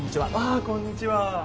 あこんにちは。